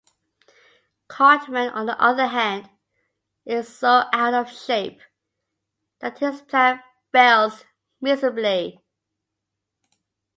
Cartman, on the other hand, is so out-of-shape that his plan fails miserably.